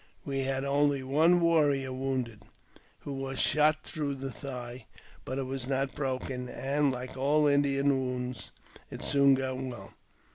We had only one warrior wounded, who was shot through the thigh ; but it was not broken, and, like all Indian wounds, it soon got well.